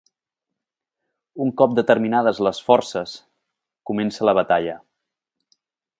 Un cop determinades les Forces, comença la batalla.